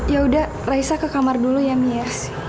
ya udah raisa ke kamar dulu ya mia